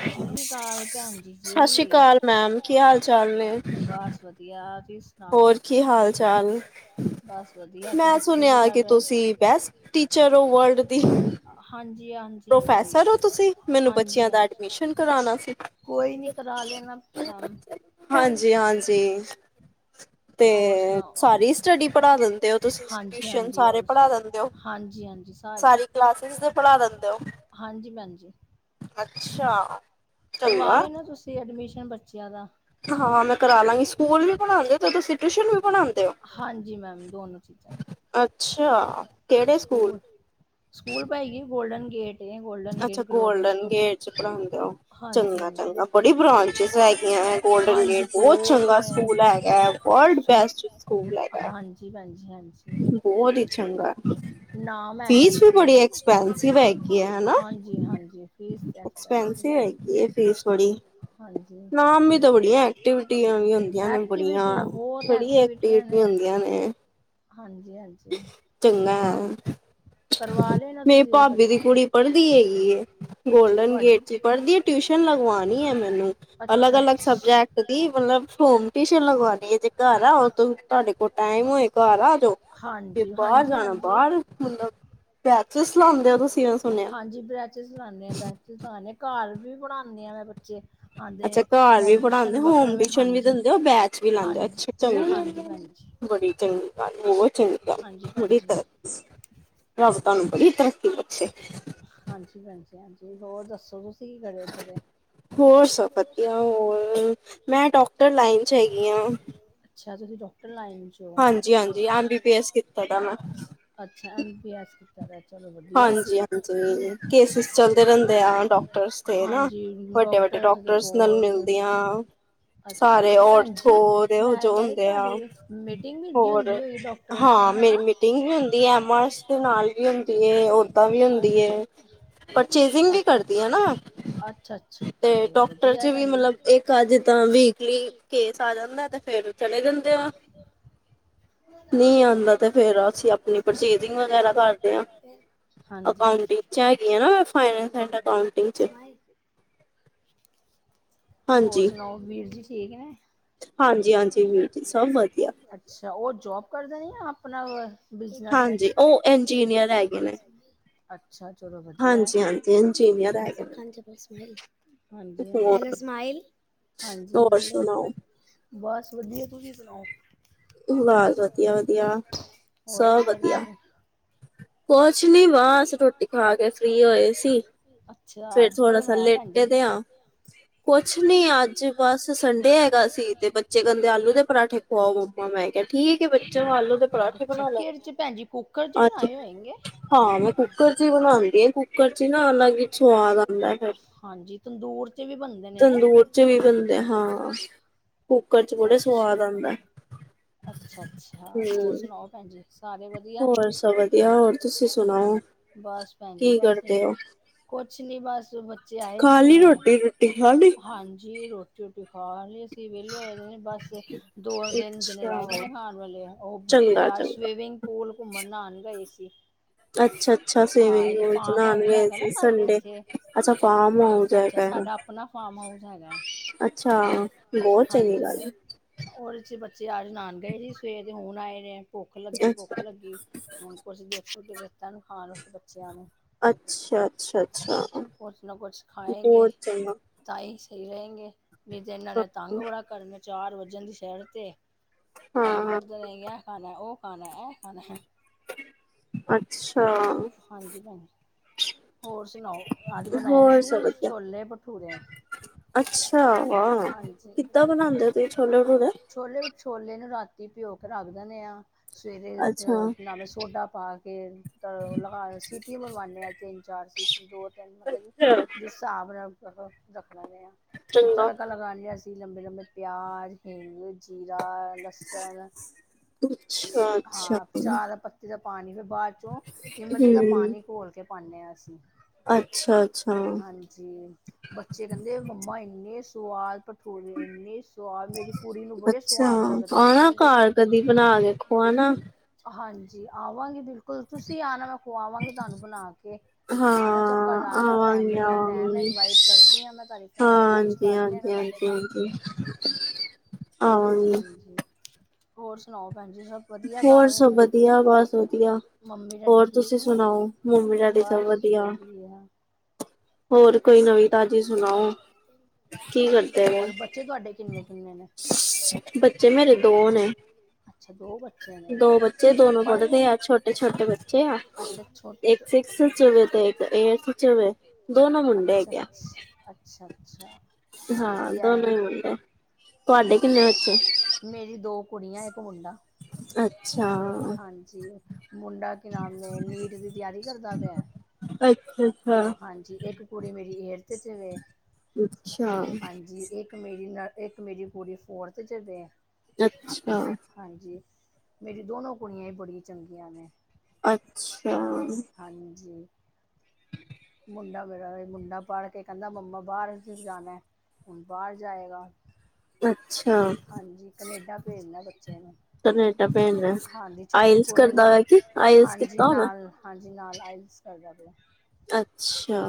ਸਤਿ ਸ਼੍ਰੀ ਅਕਾਲ ਭੈਣ ਜੀ ਸਤਿ ਸ਼੍ਰੀ ਜੀ, ਅਕਾਲ ਸਤਿ ਸ੍ਰੀ ਕੀ ਹਾਲ ਮੈਮ ਚਾਲ ਕਿ ਨੇ ਹਾਲ ਚਾਲ ਏ? ਬਸ ਵਧੀਆ। ਤੁਸੀ ਸੁਣਾਓ, ਹੋਰ ਕੀ ਹਾਲ ਹੋਰ ਕਿ ਚਾਲ ਹਾਲ ਚਾਲ ਬਸ ਵਧੀਆ ਤੁਸੀ ਮੈਂ ਦੱਸੋ ਸੁਣਿਆ ਕੀ ਕਰ ਕਿ ਰਹੇ ਤੁਸੀਂ ਬੈਸਟ ਹੋ? ਟੀਚਰ ਉਹ ਵਰਲਡ ਦੀ। ਹਾਂਜੀ ਹਾਂਜੀ ਹਾਂਜੀ, ਪ੍ਰੋਫੈਸਰ ਹੋ ਤੁਸੀਂ ਮੈਨੂੰ ਬੱਚਿਆਂ ਦਾ ਹਾਂਜੀ-ਹਾਂਜੀ। ਐਡਮਿਸ਼ਨ ਕਰਾਣਾ ਸੀ। ਕੋਈ ਨੀ ਕਰਾ ਲੈਣਾ ਕੰਮ। ਹਾਂਜੀ ਹਾਂਜੀ ਤੇ ਸਾਰੀ ਸਟੱਡੀ ਪੜ੍ਹਾ ਦਿੰਦੇ ਹੋ ਤੁਸੀਂ ਹਾਂਜੀ ਟਿਊਸ਼ਨ ਹਾਂਜੀ ਸਾਰੇ ਆਲ ਪੜ੍ਹਾ ਸਟੱਡੀ ਦਿੰਦੇ ਹੋ? ਹਾਂਜੀ ਹਾਂਜੀ ਸਾਰੇ। ਸਾਰੀ ਕਲਾਸਿਸ ਤੇ ਪੜ੍ਹਾ ਦਿੰਦੇ ਹੋ। ਹਾਂਜੀ ਭੈਣ ਜੀ। ਅੱਛਾ! ਕਰਵਾ ਚੰਗਾ ਲੈਨਾ ਤੁਸੀ ਐਡਮਿਸ਼ਨ ਬੱਚਿਆਂ ਦਾ ਹਾਂ, ਮੈਂ ਕਰਾ ਲਾਂਗੀ। ਸਕੂਲ ਵੀ ਪੜਾਂਦੇ ਔ ਤਾ ਤੁਸੀ ਹਾਂਜੀ ਮੈਮ, ਦੋਨੋ ਚੀਜ਼ਾਂ ਅੱਛਾ, ਕਿਹੜੇ ਸਕੂਲ? ਸਕੂਲ ਪਾਈ ਏ ਗੋਲਡਨ ਗੇਟ ਅੱਛਾ ਗਲੋਬਲ ਗੋਲਡਨ ਸਕੂਲ ਗੇਟ ਚ ਪਰਾਂਦਾ, ਹਾਂਜੀ ਹਾਂਜੀ ਚੰਗਾ-ਚੰਗਾ ਬੜੀ ਬ੍ਰਾਂਚਿਸ ਹੈਗੀਆਂ। ਗੋਲਡਨ ਹਾਂਜੀ ਗੇਟ ਬਹੁਤ ਚੰਗਾ ਨੇ ਸਕੂਲ ਹੈਗਾ ਹੈ, ਵਰਲਡ ਸੁਣ ਬੈਸਟ ਸਕੂਲ ਹੈਗਾ। ਹਾਂਜੀ ਭੈਣਜੀ ਹਾਂਜੀ ਬਹੁਤ ਹੀ ਚੰਗਾ। ਨਾਮ ਹੈਗਾ ਫੀਸ ਵੀ ਸਕੂਲ ਬੜੀ ਐਕਸਪੈਂਸਿਵ ਹੈਗੀ ਹੈ ਹਨਾ ਹਾਂਜੀ-ਹਾਂਜੀ, ਫੀਸ [unintelligible] ਏ ਤੇ ਹੈਗੀ ਇਹ ਫੀਸ ਬੜੀ। ਹਾਂਜੀ ਨਾਮ ਵੀ ਤਾਂ ਬੜੀਆਂ ਐਕਟੀਵਿਟੀਆਂ ਵੀ ਐਕਟੀਵਿਟੀਆਂ ਬਹੁਤ ਹੈ। ਪੀਟੀਆਂ ਹੁੰਦੀਆਂ ਨੇ। ਹਾਂਜੀ-ਹਾਂਜੀ ਚੰਗਾ ਹੈ। ਮੇਰੀ ਭਾਬੀ ਦੀ ਕੁੜੀ ਪੜ੍ਹਦੀ ਬੱਚੇ ਹੈਗੀ। ਅੱਛਾ ਗੋਲਡਨ ਗੇਟ ਚ ਤੁਹਾਡੀ ਪੜ੍ਹਦੀ ਹੈ ਟਿਊਸ਼ਨ ਟਿਊਸ਼ਨ [unintelligible] ਲਗਵਾਉਣੀ ਹੈ ਮੈਨੂੰ ਅੱਛਾ ਅਲੱਗ-ਅਲੱਗ ਅੱਛ ਸਬਜੈਕਟ ਦੀ ਮਤਲਬ ਹੋਮ ਟਿਊਸ਼ਨ ਲਗਵਾਉਣੀ ਹੈ ਜੇ ਕਾਰ [inaudible] ਤੁਹਾਡੇ ਕੋਲ ਟਾਈਮ ਹੋਏ ਘਰ ਆ ਜਾਓ। ਹਾਂਜੀ ਬਾਹਰ ਹਾਂਜੀ ਜਾਣਾ, ਹਾਂਜੀ ਬਾਹਰ ਮੁੰਡਾ ਹਾਂਜੀ ਬ੍ਰੈਚਿਸ ਲਾਨਦੇ ਆ ਬੈਚਿਸ ਲਾਣੇ ਘਰ ਵੀ ਪੜਾਨੀ ਆ ਮੈਂ ਬੱਚੇ। ਆਉਂਦੇ ਅੱਛਾ, ਨੇ ਘਰ ਵੀ ਹੋਮ ਟਿਊਸ਼ਨ ਪੜਾਂਦੇ ਓ, ਹੋਮ ਵੱਖਰੇ ਟਿਊਸ਼ਨ ਵੀ ਹਾਂਜੀ ਦਿੰਦੇ ਓ, ਬੈਚ ਵੀ ਲਾਂਦੇ ਓ, ਹਾਂਜੀ ਅੱਛਾ-ਅੱਛਾ। ਹਾਂਜੀ ਭੈਣ ਜੀ ਬੜੀ ਚੰਗੀ ਗੱਲ, ਬਹੁਤ ਚੰਗੀ ਗੱਲ, ਹਾਂਜੀ ਭੈਣ ਬੜੀ ਜੀ ਤਰ ਹਾਂਜੀ, ਭੈਣ ਜੀ ਹਾਂਜੀ ਹੋਰ ਦੱਸੋ ਤੁਸ ਕੀ ਕਰੇ ਫਿਰ। ਹੋਰ, ਸਬ ਵਧੀਆ ਹੋਰ ਮੈਂ ਡਾੱਕਟਰ ਲਾਈਨ ਚ ਹੈਗੀ ਆਂ। ਚਾਚਾ ਜੀ ਤੋਂ ਲਾਈਨ ਚ, ਐਮ ਅੱਛਾ-ਅੱਛਾ, ਬੀ ਬੀ ਐਸ ਕੀਤਾ ਦਾ ਮੈਂ ਅੱਛਾ ਐਮ ਪੀ ਐਸ ਕੀਤਾ ਦੈ ਹਾਂਜੀ ਹਾਂਜੀ, ਕੇਸਿਸ ਚੱਲਦੇ ਰਹਿੰਦੇ ਆ ਡਾਕਟਰਸ ਤੇ ਨਾ ਹਾਂਜੀ ਵੱਡੇ -ਵੱਡੇ ਦੇ ਡਾਕਟਰਸ ਨਾਲ ਬਹੁਤ ਮਿਲਦੇ ਆ ਅੱਛਾ ਸਾਰੇ ਅੱਛਾ ਭੈਣ ਓਰਥੋ ਜੀ ਦੇ ਓ ਮੈਂ ਜੋ ਕਹਿ ਹੁੰ- ਰਹੀ ਦੇ ਆ ਤੁਹਾਡੀ ਮੀਟਿੰਗ ਵੀ ਦੀ ਹੁੰਦੀ ਹੋਰ, ਹੋਈ ਡਾਕਟਰਸ ਨਾਲ ਹਾਂ ਮੇਰੀ ਹਨਾ ਮੀਟਿੰਗ ਵੀ ਹੁੰਦੀ ਐ ਐਮ ਆਰਸ ਦੇ ਨਾਲ ਵੀ ਓਦਾ ਵੀ ਅ ਹੁੰਦੀ ਏ। ਪਰਚੇਜਿੰਗ ਵੀ ਅੱਛਾ ਕਰਦੀ ਆ ਨਾ ਅੱਛਾ ਤੇ ਅੱਛਾ ਚਲੋ ਡਾਕਟਰ ਵਧੀਆ ਚ ਵੀ ਭੈਣ ਜੀ ਮਤਲਬ ਇੱਕ ਅੱਧ ਤਾ ਵੀਕਲੀ ਕੇਸ ਆ ਜਾਂਦਾ ਐ ਨਾ ਫੇਰ ਚ ਇਹਦੇ [inaudible] ਦਿੰਦੇ ਨੀ ਆਂਦਾ ਤੇ ਫੇਰ ਅਸੀ ਆਪਣੀ ਪਰਚੇਜਿੰਗ ਵਗੈਰਾ ਕਰਦੇ ਆ। ਹਾਂਜੀ ਅਕਾਊਟਿੰਗ ਹਾਂਜੀ 'ਚ ਹੈਗੀ ਆ ਨਾ ਮੈਂ ਸਹੀ ਫਾਈਨਸ ਐਂਡ ਕਹਿੰਦੇ ਪਏ ਹੋ ਅਕਾਉਂਟਿੰਗ 'ਚ। [unintelligible] ਹੋਰ ਹਾਂਜੀ। ਸੁਣਾਓ ਵੀਰ ਜੀ ਠੀਕ ਨੇ? ਹਾਂਜੀ-ਹਾਂਜੀ ਵੀਰ ਜੀ ਸਭ ਵਧੀਆ ਅੱਛਾ, ਉਹ ਜੋਬ ਕਰਦੇ ਨੇ ਜਾ ਆਪਣਾ - ਹਾਂਜੀ, ਉਹ ਇੰਜੀਨੀਅਰ ਹੈਗੇ ਨੇ। ਅੱਛਾ ਚਲੋ ਵਧੀਆ ਐ। ਹਾਂਜੀ-ਹਾਂਜੀ ਇੰਜੀਨੀਅਰ ਹੈਗੇ ਨੇ ਹਾਂਜੀ ਬਸ ਓਹੀ। ਹਾਂਜੀ- ਹਾਂਜੀ। ਹੈਲੋ ਹੋਰ-ਹੋਰ ਸਮਈਲ। ਹਾਂਜੀ - ਹੈਲੋ ਸੁਣਾਓ? ਬਸ ਵਧੀਆ। ਤੁਸੀ ਸਣਾੳ। ਬਸ ਵਧੀਆ- ਵਧੀਆ, ਹੋਰ ਸਭ ਕੀ ਕਰਦੇ ਵਧੀਆ। ਪਏ? ਕੁਛ ਨੀ ਬਸ ਰੋਟੀ ਖਾ ਕੇ ਫ੍ਰੀ ਹੋਏ ਸੀ ਅੱਛਾ ਫੇਰ ਅੱਜ ਕੀ ਥੋੜਾ ਸ ਬਣਾਇਆ ਭੈਣ ਜੀ? ਲੇਟੇ ਤੇ ਆ - ਹਾਂ [inaudible] ਕੁਛ ਨੀ ਅੱਜ ਬਸ ਸੰਡੇ ਹੈਗਾ ਸੀ ਤੇ ਬੱਚੇ ਕਹਿੰਦੇ ਆਲੂ ਦੇ ਪਰਾਂਠੇ ਖਵਾਓ। ਮੈਂ ਕਿਹਾ ਠੀਕ ਆਏ ਬੱਚੋ ਆਲੂ ਦੇ ਪਰਾਂਠੇ ਅੱਛਾ ਬਣਾ ਕਿਹੜੇ ਚ ਭੈਣ ਜੀ ਕੁੱਕਰ ਚ ਲੈਂਦੇ। ਅੱਜ ਬਣਾਏ ਹੋਏਗੇ? - ਹਾਂ ਮੈ ਕੁੱਕਰ ਚ ਹੀ ਬਣਾਉਂਦੀ ਏ ਕੁੱਕਰ ਚ ਈ ਨਾ ਅਲੱਗ ਈ ਸਵਾਦ ਆਉਂਦੈ ਫੇਰ। ਹਾਂਜੀ ਤੰਦੂਰ ਚ ਵੀ ਬਣਦੇ ਨੇ ਨਾ ਇੱਕ ਤੰਦੂਰ ਚ ਵੀ ਬਣਦੇ ਆ ਹਾਂ ਕੁੱਕਰ ਚ ਵੀ ਬੜੇ ਸਵਾਦ ਅੱਛਾ। ਆਉਦਾ। ਅੱਛਾ ਅੱਛਾ ਹੋਰ ਸੁਣਾਓ ਭੈਣ ਜੀ। ਸਾਰੇ ਵਧੀਆ ਹੋਰ ਸਭ ਵਧੀਆ ਹੋਰ ਤੁਸੀ - ਸੁਣਾਓ ਬਸ ਭੈਣ ਜੀ ਕੀ ਬਸ ਕਰਦੇ ਓ? ਕੁਛ ਨੀ ਬਸ ਬੱਚੇ ਆਏ ਸੀ ਉਹਨੇ ਰੋਟੀ ਖਾ ਲਈ ਹਾਂਜੀ ਰੋਟੀ - ਰੁੱਟੀ ਖਾਲੀ। ਵਿਹਲੇ ਹੋਏ ਨੇ ਬਸ ਦੋ ਤਿੰਨ ਦਿਨ ਅੱਛਾ ਰਹਿ ਗਏ ਨੇ ਖਾਣ ਵਾਲੇ ਉਹ ਕਿਤੇ ਚੰਗਾ ਚੰਗਾ ਸਵੀਮਿੰਗ ਪੂਲ- ਘੁੰਮਣ ਲਾਨ ਗਏ ਸੀ। ਅੱਛਾ - ਅੱਛਾ ਹਾਂ ਸਵਿਮਿੰਗ ਇਹਦੇ ਪੂਲ ਚ ਫਾਰਮ ਨਹਾਣ ਹਾਊਸ ਗਏ ਹੈਗਾ ਨਾ ਸੀ ਸਾਡੇ ਸੰਡੇ, ਇੱਥੇ ਅੱਛਾ ਫਾਰਮ ਹਾਊਸ ਐ। ਅੱਛਾ ਸਾਡਾ ਆਪਣਾ ਫਾਰਮ ਹਾਊਸ ਹੈਗਾ। ਅੱਛਾ ਬਹੁਤ ਚੰਗੀ ਹਾਂਜੀ ਗੱਲ ਐ। ਉਹਦੇ ਚ ਅੱਜ ਨਹਾਣ ਗਏ ਸੀ, ਸਵੇਰ ਦੇ ਹੁਣ ਆਏ ਨੇ ਭੁੱਖ ਲੱਗੀ ਐ। ਭੁੱਖ ਲੱਗੀ ਹੁਣ ਕੁਛ ਦੇ- ਤਾ ਨੂੰ ਖਾਣ ਵਾਸਤੇ ਬੱਚਿਆ ਨੂੰ। ਅੱਛਾ ਅੱਛਾ ਅੱਛਾ ਕੁਛ ਨਾ ਕੁਛ ਖਾਏਂਗੇ ਹੋਰ ਚੰਗਾ। ਤਾਂਹੀ ਸਹੀ ਰਹਿਗੇ ਵੀ ਤਾ ਨਾਲੇ ਤੰਗ ਬੜਾ ਕਰਨੇ ਚਾਰ ਵੱਜਣ ਦੀ ਸੈਰ ਤੇ - ਤਾ ਹਾਂ-ਹਾਂ ਕਢਦੇ ਨੇ ਇਹ ਖਾਣਾ ਉਹ ਖਾਣਾ ਉਹ ਖਾਣੇ। ਅੱਛਾ ਹਾਂਜੀ ਭੈਣਜੀ। ਹੋਰ ਸੁਣਾਓ ਅੱਜ ਬਣਾਏ ਹੋਰ ਸਭ ਸੀ ਵਧੀਆ। ਛੋਲੇ ਭਠੂਰੇ। ਅੱਛਾ ਆਂ ਕਿੱਦਾਂ ਬਣਾਉਂਦੇ ਤੁਸੀ ਛੋਲੇ ਭਟੂਰੇ? ਛੋਲੇ ਛੋਲੇ ਨੂੰ ਰਾਤੀ ਪਿਓ ਕੇ ਰੱਖ ਦਿੰਦੇ ਆ - ਸਵੇਰੇ ਅੱਛਾ। ਅਹ ਨਮਕ ਸੋਡਾ ਪਾ ਕੇ ਅ ਲਗਾ ਸੀਟੀਆ ਮਰਵਾਨੇ ਆ। ਤਿੰਨ ਚਾਰ ਸਿਟੀ ਦੋ ਤਿੰਨ ਮਤਲਬ ਕਿ ਅੱਛਾ ਜਿਸ ਹਿਸਾਬ ਨਾਲ - ਫਿਰ ਚੰਗਾ ਤੜਕਾ ਲਗਾਨੇ ਆ ਅਸੀ ਲੰਬੇ ਲੰਬੇ ਪਿਆਜ, ਹਿੰਗ ਜੀ - ਰਾ ਲਸਣ ਅੱਛਾ-ਅੱਛਾ ਹਾਂ ਹੂੰ। ਚਾਹ ਦਾ ਪੱਤੀ ਦਾ ਪਾਣੀ ਫ - ਬਾਅਦ ਚੋ ਇਮਲੀ ਦਾ ਪਾਣੀ ਘੋਲ ਕੇ ਪਾਉਦੇ ਆ ਅਸੀ। ਅੱਛਾ-ਅੱਛਾ। ਅੱਛਾ [unintelligible] ਹਾਂਜੀ ਬੱਚੇ ਕਹਿੰਦੇ ਮੰਮਾ ਇੰਨੇ ਸਵਾਦ ਭ - ਟੁਰੇ ਏਨੇ ਸਵਾਦ ਮੇਰੀ ਕੂੜੀ ਨੂੰ ਅੱਛਾ ਬੜੇ ਅੱਛਾ ਸਵਾਦ ਲੱਗਦੇ ਆਣਾ ਸੰਡੇ- ਘਰ ਸੰਡੇ। ਕਦੀ ਬਣਾ ਕੇ ਖਵਾਣਾ [inaudible] ਹਾਂਜੀ ਆਵਾਂਗੇ ਬਿਲਕੁਲ ਤੁਸੀ ਆਣਾ ਮੈਂ ਖੁਵਾਵਾਂਗੀ ਤੁਹਾਨੂੰ ਬਣਾ ਕੇ। ਆਣਾ ਚੱਕਰ ਹਾਂ ਲਾਣਾ ਆਵਾਂਗੀ ਫੈਮਿਲੀ ਨੂੰ ਲੈ ਆਉਣਾ ਆਵਾਂਗੀ ਇਨਵਾਇਟ ਕਰਦੀ ਆ ਮੈਂ ਤੁਹਾਡੀ ਫੈਮਿਲੀ ਲੰਚ ਕਰ ਲੇਣਾ। [inaudible] ਆਵਾਗੀ। ਹਾਂਜੀ ਹੋਰ ਸੁਣਾਓ। ਭੈਜੀ ਸਭ ਵਧੀਆ ਘਰ ਵਧੀਆ ਬਸ ਵਧੀਆ ਮੰਮੀ ਡੈਡੀ ਹੋਰ ਠੀਕ ਤੁਸੀਂ ਨੇ? ਸੁਣਾਓ ਮੰਮੀ ਡੈਡੀ ਸਭ ਬਸ ਵਧੀਆ ਵਧਆ। ਹੋਰ ਕੋਈ ਨਵੀਂ ਤਾਜ਼ੀ ਸੁਣਾਓ ਕੀ ਕਰਦੇ ਵੇ ਕਿੰਨੇ ਨੇ [unintelligible] ਬੱਚੇ ਮੇਰੇ ਦੋ ਨੇ ਅੱਛਾ ਦੋ ਬੱਚੇ। ਨੇ ਦੋ ਬੱਚੇ ਅੱਛਾ ਅੱਛਾ ਦੋਨੋ ਪੜ੍ਹਦੇ ਪੜਦੇ ਆ ਨੇ ਛੋਟੇ ਛੋਟੇ ਬੱਚੇ ਆ ਅੱਛਾ ਛੋਟੇ ਇੱਕ ਚ- ਸ ਸੌ ਚਵੇ ਤਾਂ ਸ ਚਵੇ ਦੋਨੋ ਮੁੰਡੇ ਹੈ ਅੱਛਾ ਕਿਆ। ਅੱਛਾ ਅੱਛਾ ਅੱਛਾ ਹਾਂ ਵਧੀਆ ਦੋਨ ਹੈ ਹ ਮੇਰੀ ਦੋ ਕੁੜੀਆਂ ਇੱਕ ਮੁੰਡਾ। ਅੱਛਾ ਹਾਂਜੀ ਮੁੰਡਾ ਕੀ ਨਾਮ ਹੈ ਨੀਟ ਦੀ ਤਿਆਰੀ। ਕਰਦਾ ਅੱਛਾ ਅੱਛਾ ਹਾਂਜੀ ਇੱਕ ਕੁੜੀ ਮੇਰੀ ਏਟਥ ਤੇ ਚ ਵੇ ਅੱਛਾ, ਹਾਂਜੀ ਇੱਕ ਮੇਰੀ ਇੱਕ ਮੇਰੀ ਪੂਰੀ ਫੋਰਥ ਚ ਦੇ ਅੱਛਾ। ਮੇਰੀ ਦੋਨੋ ਕੁੜੀਆਂ ਹੀ ਬੜੀਆਂ ਚੰਗੀਆਂ ਨੇ ਅੱਛਾ। ਹਾਂਜੀ। ਮੁੰਡਾ ਮੇਰਾ ਮੁੰਡਾ ਪੜ ਕੇ ਕਹਿੰਦਾ ਮੰਮਾ ਬਾਹਰ ਜਾਣਾ ਹੁਣ ਬਾਹਰ ਜਾਏਗਾ। ਅੱਛਾ ਹਾਂਜੀ ਕਨੇਡਾ ਭੇਜਣਾ ਬੱਚੇ ਨੂੰ ਕਨੇਡਾ ਭੇਜਣਾ ਹਾਂਜੀ ਛੋਟੀ ਆਇਲਸ ਕੁੜੀ ਕਰਦਾ ਨੂੰ ਹੋਇਆ ਕਿ ਆਇਲਸ ਹਾਂਜੀ ਕੀਤਾ ਹੋਣਾ ਨਾਲ ਹਾਂਜੀ ਨਾਲ ਆਏ। [inaudible] ਅੱਛਾ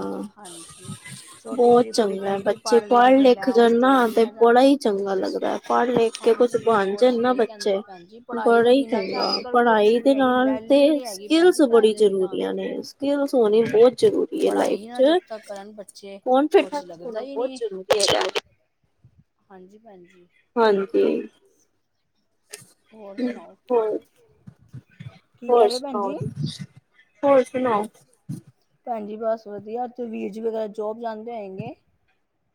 ਛੋਟੀ ਬਹੁਤ ਮੇਰੀ ਕੁੜੀ ਚੰਗਾ ਕਹਿੰਦੀ ਬੱਚੇ ਪੜ੍ਹ ਕੇ ਮੈਂ ਲਿਖ ਜਾਣ ਨਾ ਤੇ ਆਸਟ੍ਰੇਲੀਆ ਜਾ ਬੜਾ ਹੀ ਚੰਗਾ ਲੱਗਦਾ ਹੈ ਪੜ੍ਹ ਲਿਖ ਕੇ ਕੁਛ ਹਾਂਜੀ ਬਣ ਹੋਰ ਜਾ ਨਾ ਸਹੀ ਕਹਿੰਦੇ ਬੱਚੇ ਹੋ ਭੈਣ ਜੀ ਪੜ੍ਹਾਈ ਬੜਾ ਦੇ ਹੀ ਬਿਨਾਂ ਤੇ ਅੱਜ ਚੰਗੇ ਕੱਲ੍ਹ ਕੁਛ ਪੜ੍ਹਾਈ ਨਹੀਂ ਦੇ ਹੈਗੀ ਨਾਲ ਤੇ ਵੈਲਿਊ ਹੀ ਨਹੀਂ ਹੈਗੀ ਭੈਣ ਸਕਿੱਲਸ ਜੀ ਪੜ੍ਹਾਈ ਬੜੀ ਦੇ ਬਿਨਾਂ ਜ਼ਰੂਰੀਆਂ ਨੇ ਸਕਿੱਲਸ ਹੋਣੀ ਬਹੁਤ ਜ਼ਰੂਰੀ ਹੈ ਲਾਈਫ ਪੜ੍ਹਾਈ ਨਾ ਜਬ ਚ ਤੱਕ ਕਰਨ ਬੱਚੇ ਕੁਛ ਕੌਨਫੀਡੈਂਸ ਲੱਗਦਾ ਹੋਣਾ ਈ ਬਹੁਤ ਨੀ ਜ਼ਰੂਰੀ ਹੈਗਾ ਹਾਂਜੀ ਭੈਜੀ। ਹਾਂਜੀ। ਹੋਰ ਹੂੰ ਸੁਣਾਓ ਹੋਰ ਕੀ ਕਹਿ ਹੋਰ ਰਹੇ ਹੋ ਭੈਣ ਸੁਣਾਓ ਜੀ ਹੋਰ ਸੁਣਾ? ਭੈਣ ਜੀ ਬਸ ਵਧੀਆ ਤ ਵੀਰ ਜੀ ਵਗੈਰਾ ਜੋਬ ਜਾਂਦੇ ਹੋਏਗੇ।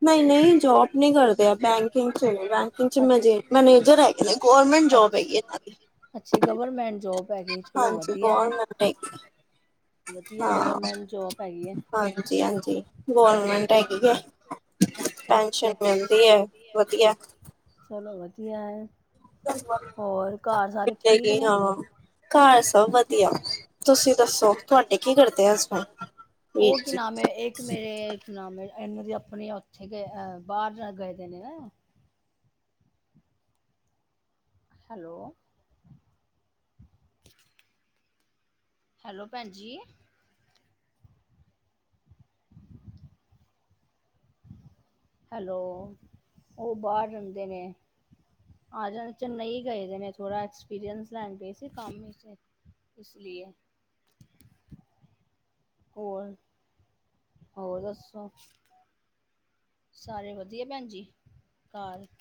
ਨਹੀਂ ਨਹੀਂ ਜੋਬ ਨਹੀਂ ਕਰਦੇ ਆ ਬੈਂਕਿੰਗ ਚ ਬੈਂਕਿੰਗ ਚ ਮੇ ਅਛਾ ਦੀ। ਅੱਛਾ ਗਵਰਮੈਂਟ ਜੋਬ ਹੈਗੀ ਚਲੋ ਹਾਂਜੀ ਵਧੀਆ ਹੈ। ਬਹੁਤਨਗੀ। ਵਧੀਆ ਹਾਂ ਗਵਰਮੈਂਟ ਜੋਬ ਹੈਗੀ ਹੈ ਹਾਂਜੀ ਹਾਂਜੀ ਗੋਰਮੈਂਟ ਹੈਗੀ ਏ। ਅੱਛਾ ਪੈਨਸ਼ਨ ਅੱਛਾ। ਮਿਲਦੀ ਐ ਵਧੀਆ। ਚਲੋ ਵਧੀਆ ਐ। ਠੀਕ [unintelligible] ਨੇ? ਹਾਂ। ਘਰ ਸਭ ਵਧੀਆ ਤੁਸੀਂ ਦੱਸੋ ਤੁਹਾਡੇ ਕੀ ਕਰਦੇ ਹਸਬੈਂਡ। ਉਹ ਵੀਰ ਕੀ ਜੀ? ਨਾਮ ਹੈ ਇੱਕ ਮੇਰੇ ਨਾਮ ਹੈ। ਇਹਨ ਦੀ ਆਪਣੀ ਉੱਥੇ ਗਏ ਅ ਬਾਹਰ ਗਏ ਦੇ ਨੇ ਨਾ ਹੈਲੋ [unintelligible] ਹੈਲੋ ਭੈਣ ਜੀ। ਹੈਲੋ ਉਹ ਬਾਹਰ ਜਾਂਦੇ ਨੇ ਆ ਜਾਣਾ ਚੇਨਈ ਗਏ ਦੇ ਨੇ ਥੋੜਾ ਐਕਸਪੀਰੀੰਸ ਲੈਣ ਗਏ ਸੀ ਕੰਮ ਵਿਚ। [inaudible] ਹੋਰ ਹੋਰ ਦੱਸੋ? ਸਾਰੇ ਵਧੀਆ ਭੈਣ ਜੀ ਘਾਰ?